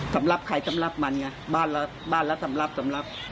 สำหรับใครสำหรับมันไงบ้านละสำหรับสำหรับ